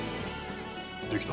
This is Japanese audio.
「できた」